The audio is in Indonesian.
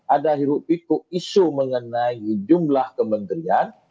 ada hirup pikuk isu mengenai jumlah kementerian